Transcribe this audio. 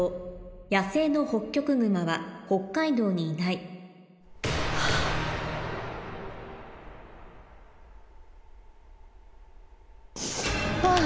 野生のホッキョクグマは北海道にいないわぁ！